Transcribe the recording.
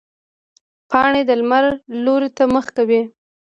پاڼې د لمر لوري ته مخ کوي